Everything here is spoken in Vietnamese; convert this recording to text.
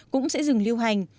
cũng sẽ dừng lưu hành